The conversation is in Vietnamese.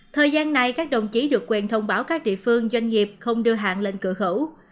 thời gian này các đồng chí được quyền thông báo các địa phương doanh nghiệp không đưa hàng lên cửa khẩu